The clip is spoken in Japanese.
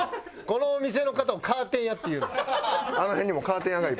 このお店の方をカーテン屋って言うな。